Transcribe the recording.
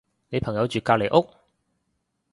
你朋友住隔離屋？